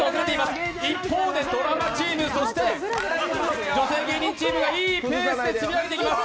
ドラマチームそして女性芸人チームがいいペースで積み上げていきます。